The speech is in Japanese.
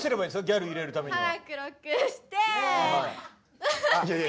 ギャル入れるためには。